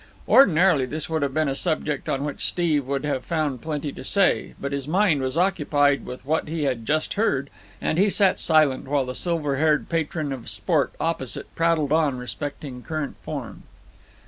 Ordinarily this would have been a subject on which Steve would have found plenty to say, but his mind was occupied with what he had just heard, and he sat silent while the silver haired patron of sport opposite prattled on respecting current form.